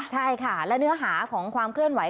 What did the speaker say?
ใช่ค่ะและเนื้อหาของความเคลื่อนไห